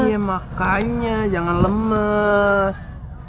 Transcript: iya makainya jangan lemes